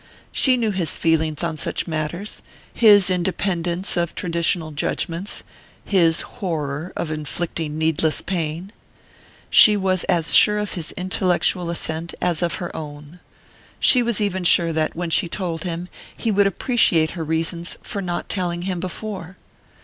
She knew his feelings on such matters his independence of traditional judgments, his horror of inflicting needless pain she was as sure of his intellectual assent as of her own. She was even sure that, when she told him, he would appreciate her reasons for not telling him before....